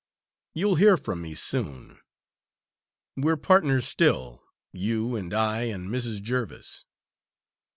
You'll hear from me soon. We're partners still, you and I and Mrs. Jerviss."